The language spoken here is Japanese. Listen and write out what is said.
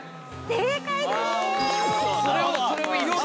◆正解です！